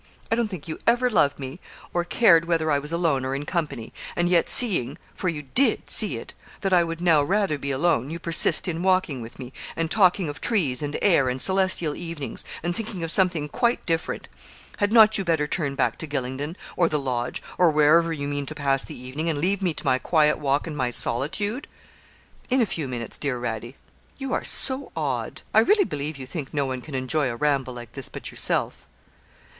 I don't think you ever loved me, or cared whether I was alone or in company; and yet seeing for you did see it that I would now rather be alone, you persist in walking with me, and talking of trees and air and celestial evenings, and thinking of something quite different. Had not you better turn back to Gylingden, or the Lodge, or wherever you mean to pass the evening, and leave me to my quiet walk and my solitude?' 'In a few minutes, dear Radie you are so odd. I really believe you think no one can enjoy a ramble like this but yourself.'